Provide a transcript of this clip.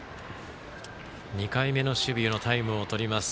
２回目の守備のタイムをとります。